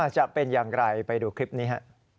จะเป็นอย่างไรไปดูคลิปนี้ฮะ